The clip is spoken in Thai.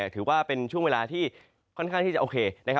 ถือว่าเป็นช่วงเวลาที่ค่อนข้างที่จะโอเค